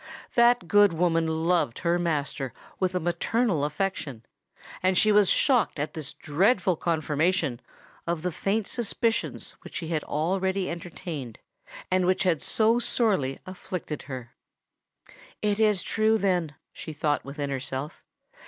That good woman loved her master with a maternal affection; and she was shocked at this dread confirmation of the faint suspicions which she had already entertained, and which had so sorely afflicted her. "It is then true!" she thought within herself.